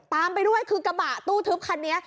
ตามไปด้วยคือกระบะตู้ทึบคันนี้